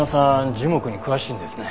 樹木に詳しいんですね。